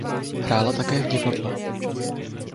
Hrála také v divadle.